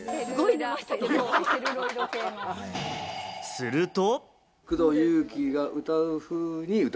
すると。